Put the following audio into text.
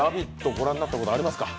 ご覧になったことありますか？